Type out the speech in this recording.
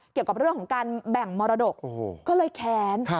เกี่ยวกับเรื่องของการแบ่งมรดกก็เลยแค้น